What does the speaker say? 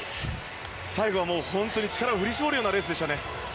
最後は本当に力を振り絞るようなレースでしたね。